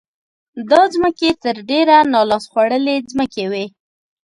دا ځمکې تر ډېره نا لاس خوړلې ځمکې وې.